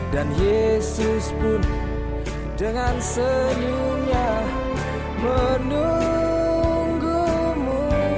dan yesus pun dengan senyumnya menunggumu